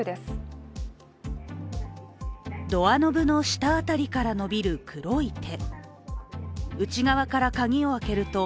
ドアノブの下あたりから伸びる黒い手。